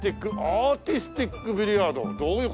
「アーティスティックビリヤード」どういう事？